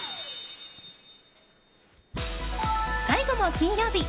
最後も金曜日。